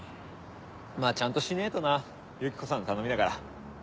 まぁちゃんとしねえとなユキコさんの頼みだから。